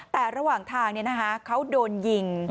แต่ระหว่างทางเขาโดนยิง